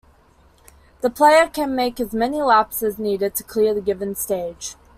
The player can make as many laps as needed to clear a given stage.